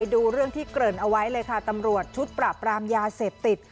ดูเรื่องที่เกริ่นเอาไว้เลยค่ะตำรวจชุดปราบรามยาเสพติด